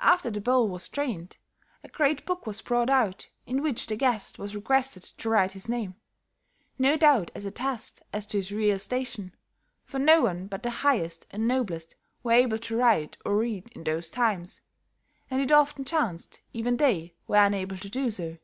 After the bowl was drained, a great book was brought out, in which the guest was requested to write his name, no doubt as a test as to his real station, for no one but the highest and noblest were able to write or read in those times, and it often chanced even they were unable to do so."